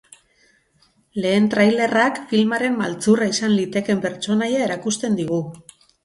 Lehen trailerrak filmaren maltzurra izan litekeen pertsonaia erakusten digu.